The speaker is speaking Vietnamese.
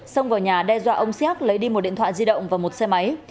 xông vào nhà đe dọa ông xác lấy đi một điện thoại di động và một xe máy